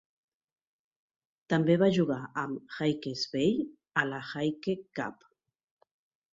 També va jugar amb Hawke's Bay a la Hawke Cup.